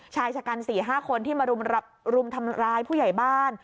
ชายชะกัน๔๕คนที่มารุมทำร้ายผู้ใหญ่บ้าน